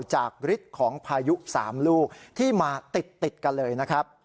ฤทธิ์ของพายุ๓ลูกที่มาติดกันเลยนะครับ